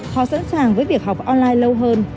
họ sẵn sàng với việc học online lâu hơn